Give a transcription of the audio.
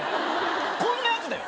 こんなやつだよ